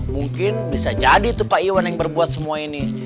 mungkin bisa jadi tuh pak iwan yang berbuat semua ini